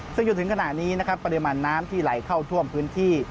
ซึ่งจนถึงขณะนี้นะครับปริมาณน้ำที่ไหลเข้าท่วมพื้นที่